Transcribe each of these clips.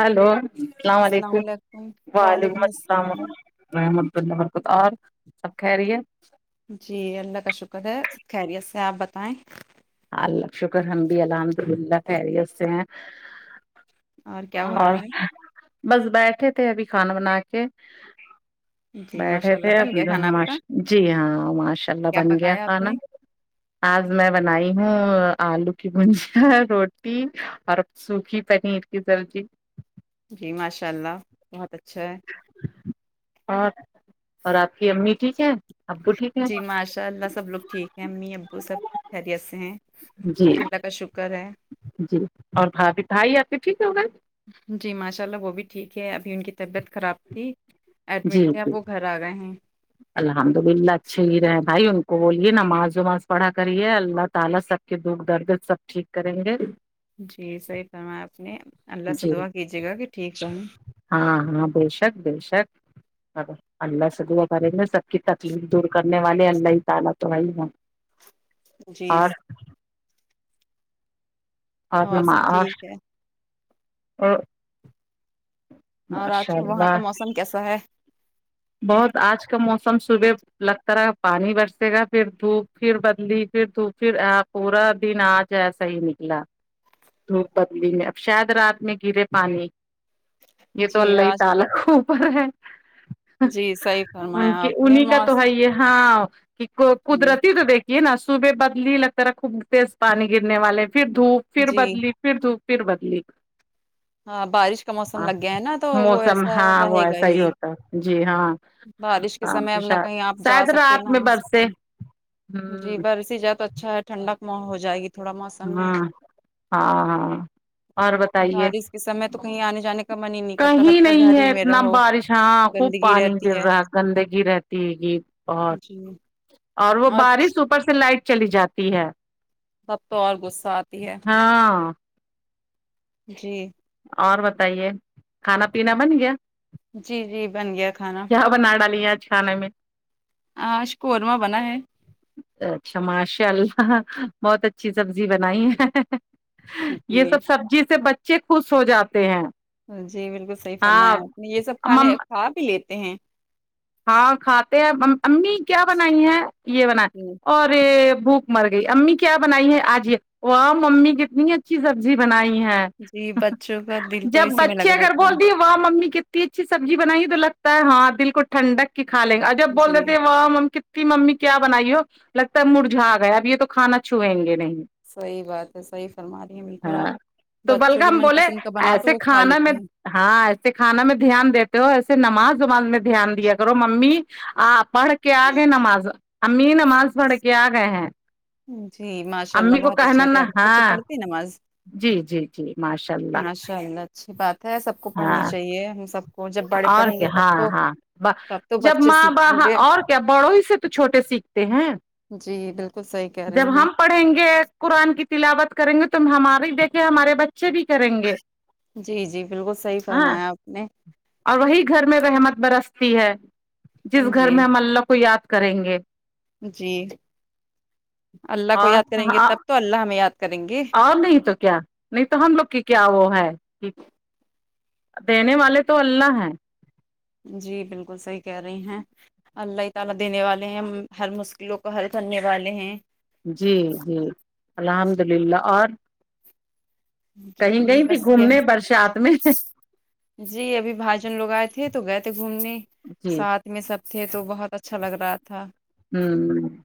hello سلام وعلیکم وعلیکم السلام رحمت اللہ برکت اور سب خیریت جی اللہ کا شکر ہے سب خیریت سے آپ بتائیں اللہ کا شکر ہم بھی الحمد للہ خیریت سے ہیں کیا ہو اور رہا ہے بس بیٹھے تھے ابھی کھانا بنا کے جی بیٹھے ماشاء اللہ تھے بن گیا کھانا آپ مش کا جی ہاں ماشاء اللہ کیا بن گیا پکایا آپ کھانا نے آج میں بنائی ہاں آلو کی بجیاں روٹی اور سوکھی پنیر کی سبزی جی ماشاء اللہ بہت اچھا ہے اور اور آپ کی امی ٹھیک ہے ابو ٹھیک ہے جی ماشاء اللہ سب لوگ ٹھیک ہیں امی ابو سب خیریت سے ہیں جی اللہ کا شکر ہے جی اور بھا بھی بھائی آپ کے ٹھیک ہو گئے جی ماشاء اللہ وہ بھی ٹھیک ہے ابھی ان کی طبیعت خراب تھی جی ایڈمٹ تھے جی اب وہ گھر آ گئے ہی [unintelligible] الحمد للہ اچھے ہی رہے بھائی ان کو بولیے نماز وماز پڑھا کریے اللہ تعالی سب کے دکھ درد سب ٹھیک کریں گے جی صحیح فرمایا آپ نے اللہ سے جی دعا کیجیے گا کہ ٹھیک رہوں ہاں ہاں بے شک بے شک ا اللہ سے دعا کریں گے سب کی تکلیف دور کرنے والے اللہ تعالی تو ہے ہی نا جی اور اور سب نماش ٹھیک ہے او اور آج کل وہاں اللہ کا موسم کیسا ہے بہت آج کا موسم صبح لگتا رہا پانی برسے گا پھر دھوپ پھر بدلی پھر دھوپ پھر آپ پورا دن آج ایسا ہی نکلا دھوپ بدلی میں اب شاید رات میں گرے پانی یہ جی تو الله آج تعالی کے اوپر ہے جی صحیح ان فرمایا کے آپ نے انہیں کا تو موسم ہے یہ ہاں کہ جی قدرتی تو دیکھ یہ نا صبح بدلی لگتا رہا خوب تیز پانی گرنے والے پھر دھوپ پھر جی بدلی پھر دھوپ پھر بدلی ہاں بارش کا موسم لگ گیا ہے نا تو وہ موسم ایسا ہاں وہ رہے گا ایسا ہی ہوتا جی ہاں بارش کے ہاں سمے ا نہ شا کہیں آپ جا شاید سکتے رات نہ میں آ سکتے برسے جی ہوں برسی جات تو اچھا ہے ٹھنڈک م ہو جائے گی تھوڑا موسم میں ہاں ہاں ہاں اور بتائیے بارش سمے تو کہیں آنے جانے کا من ہی نہیں کرتا کہیں لگتا نہیں گھر ہی ہے میں اتنا رہو بارش ہاں خوب گندگی پانی رہتی گر ہے رہا گندگی رہتی گی بہت جی اور وہ بارش ہو او پر سے لائٹ چلی جاتی ہے تب تو اور غصہ آتی ہے ہاں جی اور بتائیے کھانا پینا بن گیا جی جی بن گیا کھا نا کیا بنا ڈالی ہے آج کھانے میں آج قورمہ بنا ہے اچھا ماشاء اللہ بہت اچھی سبزی بنائی ہے یہ جی سب سبزی سے بچے خوش ہو جاتے ہیں جی بالکل صحیح فرمایا ہاں آپ نے یہ سب مم کھانے کھا بھی لیتے ہیں ہاں کھاتے ہیں مم امی کیا بنائی ہے یہ بنا ئی جی ارے بھوک مرگئی امی کیا بنائی ہے آج یہ واؤ ممی کتنی اچھی سبزی بنائی ہے جی بچوں کا دل تو اسی میں لگا رہتا ہے واؤ ممی کتنی اچھی سبزی بنائی ہو تو لگتا ہے ہاں دل کو ٹھڈک کی کھالیں گا اور جب بول جی دیتے ہیں ہا مم کتتی ممی کیا بنائی ہو لگتا ہے مرجھا گیا اب یہ تو کھانا چھوئیں گے نہیں صحیح بات ہے صحیح فرما رہی ہیں بالکل آپ ہاں تو بچوں کی بلگم من بولے پسند کا بناؤ تو ایسے وہ کھا کھانے لیتے میں ہاں ایسے کھانا میں دھیان دیتے ہو ایسے نماز وماز میں دھیان دیا کرو مممی آ پڑھ کے آ گئے نماز امی نماز پڑھ کے آ گئے ہم جی ماشاء اللہ بہت اچھے بات ہے آپ کے بچے ہاں پڑھتے ہیں نماز جی جی ماشاء اللہ ماشاء اللہ اچھی بات ہے سب کو پڑھنی ہاں چاہیے ہم سب کو جب بڑے اور پڑھیں گے کیا تب ہاں تو ہاں با تب تو جب بچے ما با سیکھیں با گے اور کہ بڑوں ہی سے تو چھوٹے سیکھتے ہیں جی بالکل صحیح کہہ جب رہی ہیں ہم پڑھیں گے قرآن کی تلاوت کریں گے تم ہماری دیکھیں ہمارے بچے بھی کریں گے جی جی بالکل صحیح ہاں فرمایا آپ نے اور وہی گھر میں رحمت برستی ہے جس گھر جی میں ہم اللہ کو یاد کریں گے جی اللہ کو اور یاد کریں گے تب تو اللہ ہمیں یاد کریں گے اور نہیں تو کیا نہیں تو ہم لوگ کی کیا وہ ہے دینے والے تو اللہ ہیں جی بالکل صحیح کہہ رہی ہیں اللہ ہی تعالی دینے والے ہیں ہر مشکلوں کو حل کرنے والے ہیں جی جی الحمد للہ اور کہیں جی گئی تھی بس یہی گھومنے برسات میں جی ابھی بھائیجان لوگ آئے تھے تو گئے تھے گھومنے جی ساتھ ان میں سب تھے تو بہت اچھا لگ رہا تھا اممم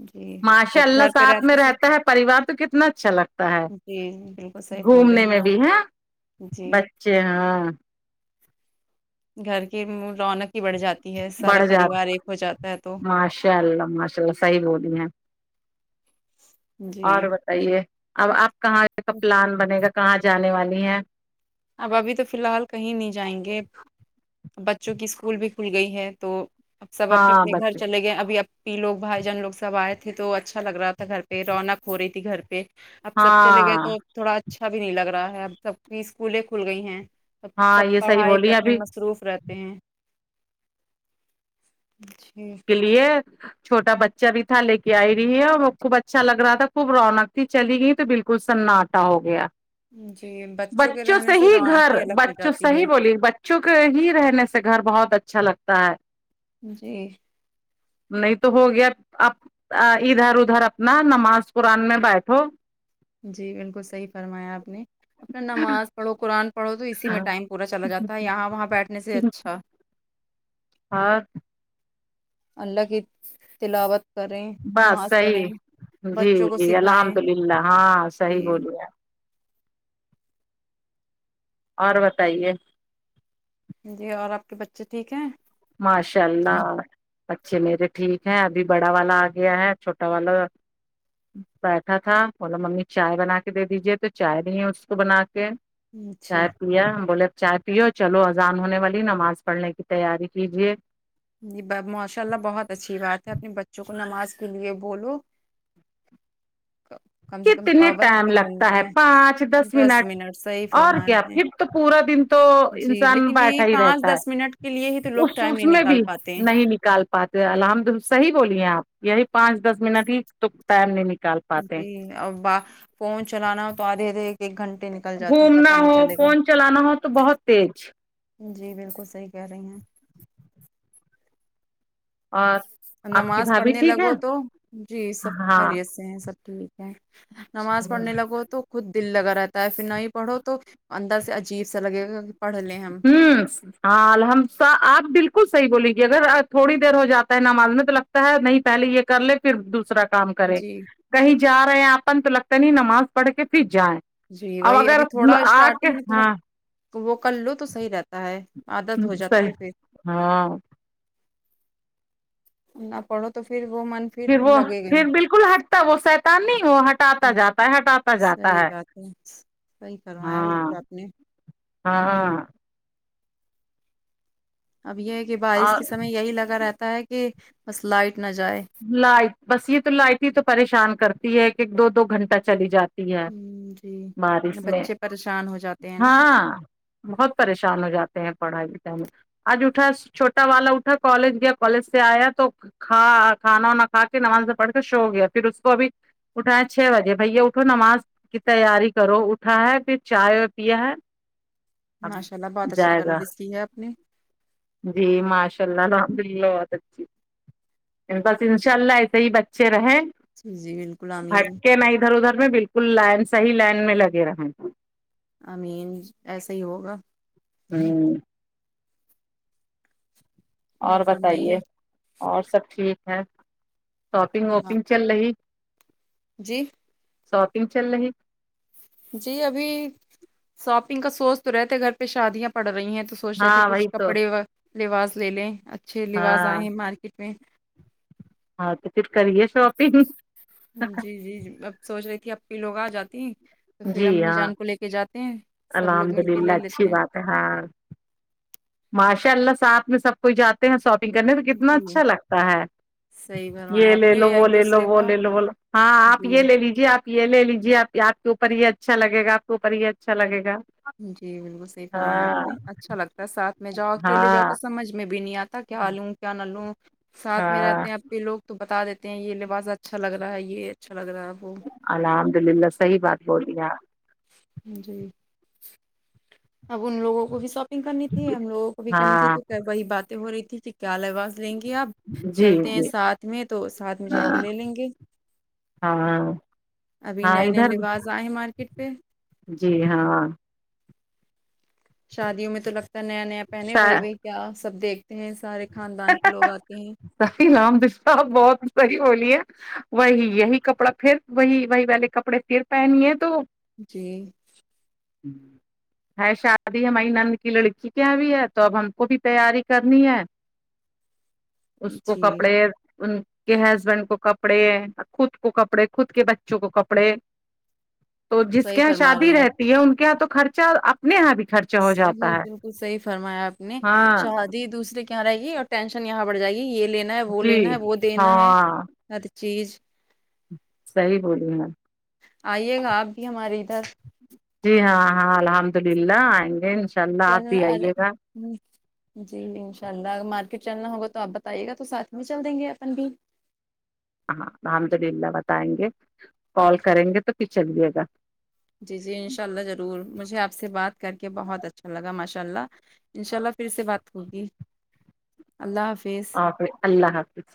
جی ماشاء جب اللہ گھر پہ ساتھ میں رہتے رہتا سب ہے پریوار تو کتنا اچھا لگتا ہے جی بالکل صحیح بول گھومنے رہی میں ہیں آپ بھی ہاں جی بچے ہاں گھر کی رونق ہی بڑھ جاتی ہے سارا پریوار ایک ہو جاتا ہے تو یا اللہ ماشاء اللہ صحیح بول رہی ہیں جی اور بتائیے اب آپ کہاں کا پلان بنے گا کہاں جانے والی ہیں اب ابھی تو فل حال کہیں نہیں جائیں گے بچوں کی اسکول بھی کھول گئی ہے تو اب سب اپنے ہاں اپنے گھر بچے چلے گئے ابھی اپ آپی لوگ بھائی جان لوگ سب آئے تھے تو اچھا لگ رہا تھا گھر پہ رونق ہو رہی تھی گھر پہ اب سب چلے گئے ہاں تو تھوڑا اچھا بھی نہیں لگ رہا ہے اب سب کی اسکولیں کھول گئی ہیں سب ہاں سب یہ صحیح پڑھائی پہ بولی اپنے ابھی مصروف رہتے تے ہیں جی کے لیے چھوٹا بچہ بھی تھا لے کے آئی رہی ہے اور وہ خوب اچھا لگ رہا تھا خوب رونق تھی چلی گئی تو بالکل سناٹ ٹا ہو گیا جی کے بچوں سے رہنے ہی رونق گھر الگ ہو بچوں جاتی ہے سےصحیح بولی بچ چوں کے ہی رہنے سے گھر بہت اچھا لگتا ہے جی نہیں تو ہو گیا آپ آ ادھر ادھر اپنا نماز قرآن میں بیٹھو جی انکو صحیح فرمایا آپ نے اپنا نماز پڑھو قرآن پڑھو تو اسی میں ٹائم پورا چلا جاتا ہے یہاں وہاں بیٹھنے سے اچھا اور اللہ کی تلاوت کریں بس نماز صحیح پڑھیں جی بچوں کو جی سکھایں الحمد للہ ہاں صحیح جی بولیے اور بتائیے جی اور آپ کے بچے ٹھیک ہیں ماشاء اللہ اچھے میرے ٹھیک ہے ابھی بڑا والا آ گیا ہے چھوٹا والا بیٹھا تھا بولا ممی چائے بنا کے دے دیجیے تو چائے دیے اس کو بنا کے اچھا چائے پیا ہم بولے چائے پیو چلو اذان ہونے والی ہے نماز پڑھنے کی تیاری کیجیے جی ماشاء اللہ بہت اچھی بات ہے اپنے بچوں کو نماز کے لیے بولو کا کتنے ٹائم لگتا ہے پانچ دس منٹ صحیح اور فرمایا کیا آپ نے پھر تو پورا دن تو جی انسان لیکن بیٹھا یہی ہی پانچ رہتا دس ہے منٹ کے لیے ہی تو لوگ اس ٹائم س نہیں میں نکال بھی پاتے ہیں نہیں نکال پاتے الحمد صحیح بولی ہیں آپ یہی پانچ دس منٹ ہی تو ٹائم نہیں نکل جی ابا فون چلانا تو آدھے آدھے ایک گھنٹے نے گھومنا ہو فون چلانا ہو تو بہت تیج جی بالکل صحیح کہہ رہی ہیں اور آپ کی نماز بھابھی پڑھنے ٹھیک ہے لگو تو جی سب ہاں کھیریت سے ہیں سب ٹھیک نماز پڑھنے لگو تو خود دل لگا رہتا ہے پھر نہ ہی پڑھو تو اندر سے عجیب سا لگے گا کہ پڑھ لیں ہم ہمم ہاں الحم آپ بالکل صحیح بولے گی اگر تھوڑی دیر ہو جاتا ہے نماز میں تو نہیں پہلے یے کر لے پھر دوسرا کام کریں جی کہیں جا رہے ہیں اپن تو لگتا نہیں نماز پڑھ کے پھر جائیں جی اب وہی اگر ابھی تھوڑا آ کے اسٹارٹنگ میں تھوڑا ہاں تو وہ کر لو تو صحیح رہتا ہے عادت ہو جاتی صحیح ہے پھر ہاں نہ پڑھو تو پھر وہ من پھر وہ لگے پھر گئے بالکل ہٹتا وہ سیتان نہیں وہ ہٹاتا جاتا ہے ہٹاتا جاتا ہے اچھا صحیح فرمایا ہاں بالکل آپ نے ہاں اب یے ہے کہ بارش اور کے سمے یہی لگا رہتا ہے کہ بس لائٹ نہ جائے لائٹ بس یے تو لائٹ ہی تو پریشان کرتی ہے کہ دو دو گھنٹہ چلی جاتی تی یاد ہ جی بارش میں بچے پریشان ہو جاتے ہیں نا ہاں بہت پریشان ہو جاتے ہیں پڑھائی لکھائی میں آج اٹھا چھوٹا والا اٹھا کالج گیا کالج سے آیا تو کھا کھانا وانا کھا کے نماز میں پڑھ کے شو گیا پھر اس کو اب اٹھایا چھ بجے بھیا اٹھو نماز کی تیاری کرو اٹھا ہے پھر چائے وا پیا ہے اب ماشاء اللہ بہت اچھی جائے گا پرورش کی ہے آپ نے جی ماشاء اللہ الحمد للہ بہت اچھی بس انشاء اللہ ایسے ہی بچے رہیں جی جی بالکل امین ہھٹکے نا ادھر ادھر میں بالکل لائن صحیح لائن میں لگے رہے امین ایسا ہی ہوگا ہمم اور بتائیے اور سب ٹھیک ہے شاپنگ ہاں واپنگ چل لہی جی شاپینگ چل لہی جی ابھی ساپینگ کا سونچ تو رہے تھے گھر پہ شادیاں پڑ رہی ہیں تو سوچ رہے تھے ہاں وہی کچھ تو کپڑے و لباس لے لیں اچھے لباس آئے ہاں ہیں مارکیٹ میں ہاں تو پھر کرئیے شاپنیگ جی جی جی میں اب سوچ رہی تھی اپی لوگ آ جاتی تو پھر جی امی ہاں جان کو لے کے جاتے ہیں سب لوگ الحمد مل کے للہ لے لیتے اچھی ہیں بات ہاں ماشاء اللہ ساتھ میں سب کوئی جاتے ہیں شاپنگ کرنے تو کتنا جی اچھا لگتا ہے صحیح فرمایا یہ آپ لے نے لو وہ ایک لے لو دوسرے وہ کا لے لو وہ لو ہاں آپ جی یہ لے لیجے آپ یہ لے لیجیے آپ آپ کے اوپر یہ اچھا لگے گا آپ کے اوپر یہ اچھا لگے گا جی بالکل صحیح فرمایا آپ ہاں نے اچھا لگتا ہے ساتھ میں جاؤ اکیلے جاؤ تو ہاں سمجھ میں بھی نہیں آتا کیا لوں کیا نہ لوں ساتھ میں ہاں رہتے ہیں یہ لوگ تو بتا دیتے ہیں یہ لباس اچھا لگ رہا ہے یہ اچھا لگ رہا ہے وہ الحمد للہ صحیح بات بولی ہے آپ جی اب ان لوگوں کو بھی شاپنگ کرنی تھی ہم لوگوں کو بھی کرنی تھی ہاں تو وہی باتیں ہو رہی تھی کہ کیا لباس لیں گے آپ جی چلتے ہیں جی ساتھ میں تو ساتھ میں چل کے ہاں لے لیں گے ہاں ابھی ہاں نئے نئے ادھر لباس آئے ہیں مارکیٹ پہ جی ہاں شادیوں میں تو لگتا ہے نیا نیا پہنے وہی وہی کیا سب دیکھتے ہیں سارے خاندان کے لوگ آتے ہیں صحیح نام د صاحب بہت صحیح بولی ہے وہی یہی کپڑا پھر وہی وہی والے کپڑے پھر پہنیے تو جی ہوں ہے شادی ہماری نند کی لڑکی کے یہاں بھی ہے تو اب ہم کو بھی تیاری کرنی ہے اس کو جی کپڑے ان کے ہسبینڈ کو کپڑے خود کو کپڑے خود کے بچوں کو کپڑے تو جس کے صحیح یہاں فرما رہے شادی ہیں آپ رہتی ہے ان کے یہاں تو خرچہ اپنے یہاں بھی خر صحیح بالکل صحیح فرمایا آپ نے ہاں شادی دوسرے کی یہاں رہے گی اور ٹینشن یہاں بڑھ جائے گی یہ لینا ہے وہ لینا جی ہے وہ دینا ہے ہاں ہر چیز صحیح بولی رہی ہیں آپ آئیے گا آپ بھی ہمارے ادھر جی ہاں ہاں الحمد للہ آئیں گے انش چل نا ارے ہون جی انشاء اللہ ا مارکیٹ چلنا ہوگا تو آپ بتائیے گا تو ساتھ میں چل دیں گے اپن بھی ہاں الحمد للہ بتائیں گے کال کریں گے تو پھر چلیے گا جی جی انشاء اللہ ضرور مجھے آپ سے بات کر کے بہت اچھا لگا ماشاء اللہ انشاء اللہ پھر سے بات ہوگی اللہ حافظ اوکے اللہ حافظ